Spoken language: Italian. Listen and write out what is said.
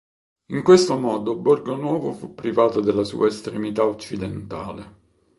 In questo modo Borgo Nuovo fu privata della sua estremità occidentale.